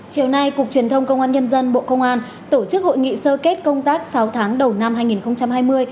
chiều nay cục truyền thông công an nhân dân bộ công an tổ chức hội nghị sơ kết công tác sáu tháng đầu năm hai nghìn hai mươi